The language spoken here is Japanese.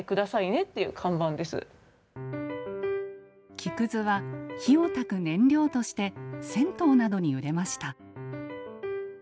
木くずは火をたく燃料として銭湯などに売れました。